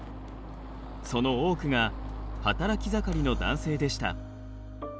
その多くが働き盛りの男性でした。